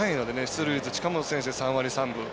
出塁率、近本選手で３割３分。